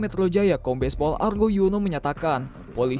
ninoi diantarkan pulang menggunakan mobil pengangkut barang